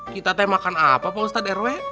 kita teh makan apa pak ustadz rw